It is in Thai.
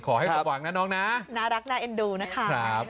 ขอให้สว่างนะน้องนะน่ารักน่าเอ็นดูนะคะ